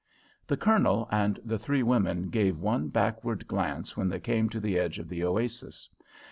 The Colonel and the three women gave one backward glance when they came to the edge of the oasis.